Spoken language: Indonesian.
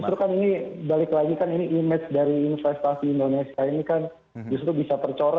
justru kan ini balik lagi kan ini image dari investasi indonesia ini kan justru bisa tercore